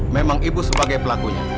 memang ibu sebagai pelakunya